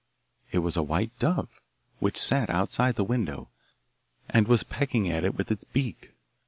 It was a white dove, which sat outside the window, and was pecking at it with its beak.